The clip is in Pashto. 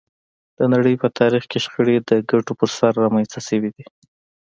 د نړۍ په تاریخ کې شخړې د ګټو پر سر رامنځته شوې دي